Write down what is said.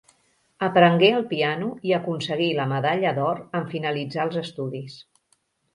Aprengué el piano i aconseguí la medalla d'or en finalitzar els estudis.